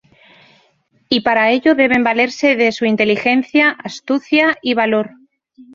Y para ello deben valerse de su inteligencia, astucia y valor.